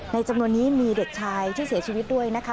จำนวนนี้มีเด็กชายที่เสียชีวิตด้วยนะคะ